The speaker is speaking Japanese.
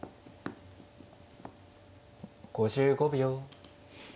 ５５秒。